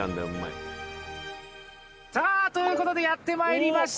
さあということでやってまいりました。